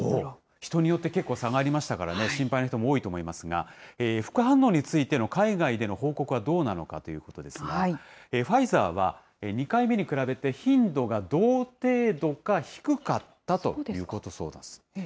人によって結構差がありましたからね、心配な人も多いと思いますが、副反応についての海外での報告はどうなのかということなんですが、ファイザーは２回目に比べて頻度が同程度か低かったということだそうです。